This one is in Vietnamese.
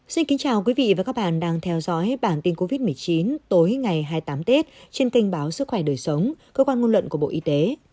xin kính chào quý vị và các bạn đang theo dõi bản tin covid một mươi chín tối ngày hai mươi tám tết trên kênh báo sức khỏe đời sống cơ quan ngôn luận của bộ y tế